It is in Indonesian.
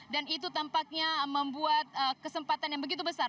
dan itu tampaknya membuat kesempatan yang begitu besar